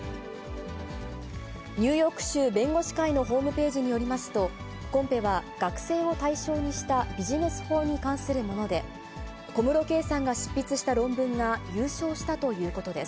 ニューヨーク州弁護士会のホームページによりますと、コンペは学生を対象にしたビジネス法に関するもので、小室圭さんが執筆した論文が優勝したということです。